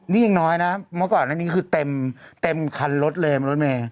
นี่ยังน้อยนะเมื่อก่อนอันนี้คือเต็มคันรถเลยรถเมย์